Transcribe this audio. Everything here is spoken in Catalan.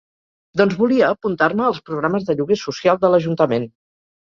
Doncs volia apuntar-me als programes de lloguer social de l'ajuntament.